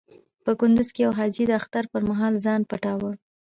په کندز کې يو حاجي د اختر پر مهال ځان پټاوه.